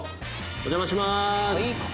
お邪魔します！